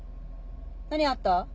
何あった？